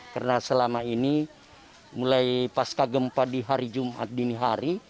karena selama ini mulai pasca gempa di hari jumat dini hari